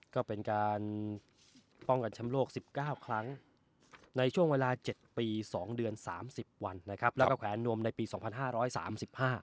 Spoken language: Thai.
ก็เป็นการป้องกันแชมป์โลกสิบเก้าครั้งในช่วงเวลาเจ็ดปีสองเดือนสามสิบวันนะครับแล้วก็แขวนนวมในปีสองพันห้าร้อยสามสิบห้า